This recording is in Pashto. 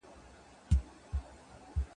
ماشومان اجازه لري نظر ورکړي.